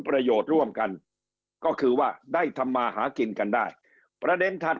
ประโยชน์ร่วมกันก็คือว่าได้ทำมาหากินกันได้ประเด็นถัด